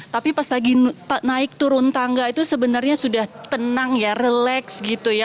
tapi pas lagi naik turun tangga itu sebenarnya sudah tenang ya relax gitu ya